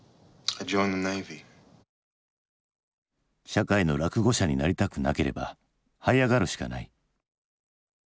社会の落後者になりたくなければはい上がるしかない。